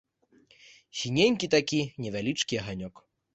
Сіненькі такі, невялічкі аганёк.